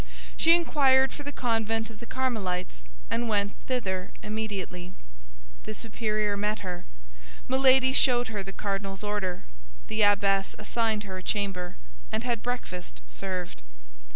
She inquired for the convent of the Carmelites, and went thither immediately. The superior met her; Milady showed her the cardinal's order. The abbess assigned her a chamber, and had breakfast served.